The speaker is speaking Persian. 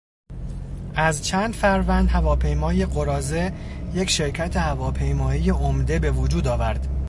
از چند فروند هواپیمای قراضه یک شرکت هواپیمایی عمده به وجود آورد.